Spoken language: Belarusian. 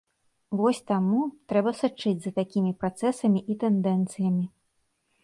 Вось таму трэба сачыць за такім працэсамі і тэндэнцыямі.